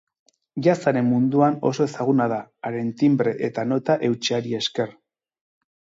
Jazzaren munduan oso ezaguna da, haren timbre eta nota eutsiari esker.